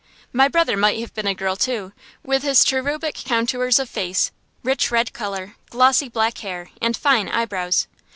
My brother might have been a girl, too, with his cherubic contours of face, rich red color, glossy black hair, and fine eyebrows.